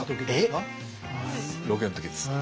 ロケの時ですか？